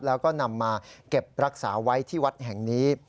แล้วก็นำมาเก็บรักษาไว้ที่วัดแห่งนี้